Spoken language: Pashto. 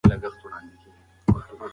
انا غوښتل چې له ماشوم سره خبرې وکړي.